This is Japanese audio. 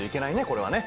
これはね。